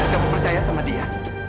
kamu percaya sama dia